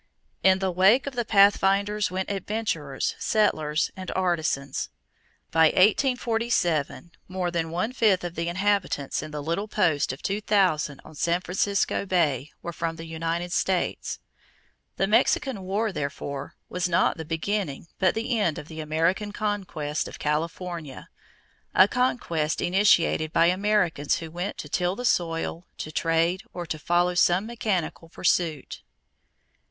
In the wake of the pathfinders went adventurers, settlers, and artisans. By 1847, more than one fifth of the inhabitants in the little post of two thousand on San Francisco Bay were from the United States. The Mexican War, therefore, was not the beginning but the end of the American conquest of California a conquest initiated by Americans who went to till the soil, to trade, or to follow some mechanical pursuit.